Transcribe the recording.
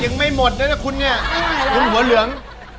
ยังไม่หมดแล้วนะคุณเนี่ยคุณหัวเหลือง